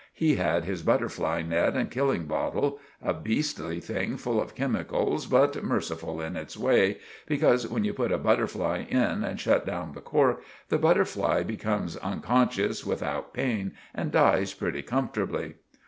He had his butterfly net and killing bottle—a beestly thing full of cemicals but merciful in its way, becorse when you put a butterfly in and shut down the cork the butterfly becomes unconshus without pane and dies pretty cumfortably.